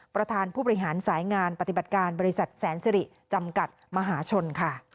ประธานผู้บริหารสายงานปฏิบัติการบริษัทแสนสิริจำกัดมหาชนค่ะ